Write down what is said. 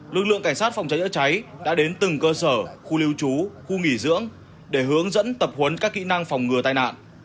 lực lượng cảnh sát phòng cháy chữa cháy đã đến từng cơ sở khu lưu trú khu nghỉ dưỡng để hướng dẫn tập huấn các kỹ năng phòng ngừa tai nạn